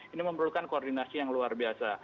ini memerlukan koordinasi yang luar biasa